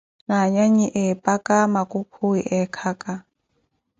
Na anyanyi eepaka, makukhuwi eekaka.